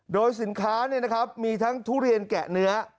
โดยสินค้าเนี่ยนะครับมีทั้งทุเรียนแกะเนื้อ